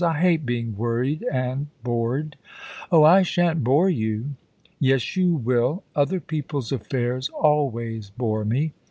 "I hate being worried and bored." "Oh, I shan't bore you." "Yes, you will. Other people's affairs always bore me.